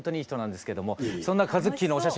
そんなカズッキーのお写真